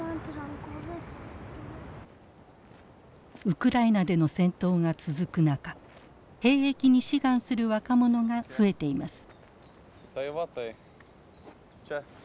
ウクライナでの戦闘が続く中兵役に志願する若者が増えています。